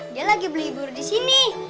dia lagi belibur disini